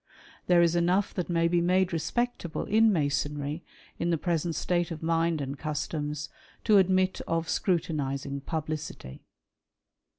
There is " enough that may be made respectable in Masonry, in the "present state of mind and customs, to admit of scrutinising " publicity."